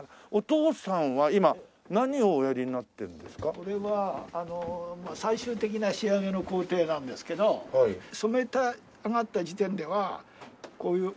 これは最終的な仕上げの工程なんですけど染め上がった時点ではこういう繋ぎ目がずっと。